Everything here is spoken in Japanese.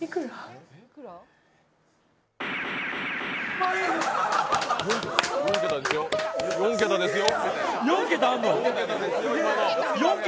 今の、４桁ですよ！